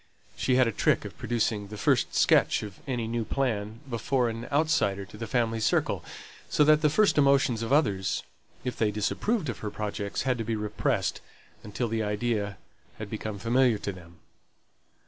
She had a trick of producing the first sketch of any new plan before an outsider to the family circle; so that the first emotions of others, if they disapproved of her projects, had to be repressed, until the idea had become familiar to them.